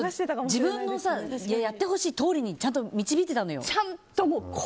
自分のやってほしい通りにちゃんと導いてたのよ。